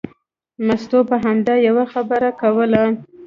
مستو به همدا یوه خبره کوله.